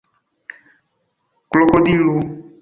krokodilu